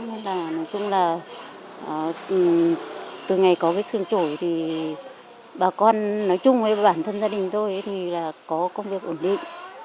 nên là nói chung là từ ngày có cái xương trổi thì bà con nói chung với bản thân gia đình tôi thì là có công việc ổn định